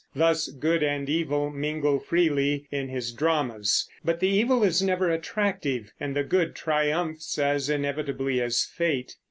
Thus good and evil mingle freely in his dramas; but the evil is never attractive, and the good triumphs as inevitably as fate.